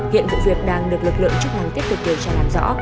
hiện vụ việc đang được lực lượng chức năng tiếp tục điều tra làm rõ